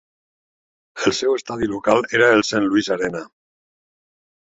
El seu estadi local era el Saint Louis Arena.